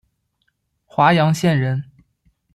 华阳县人。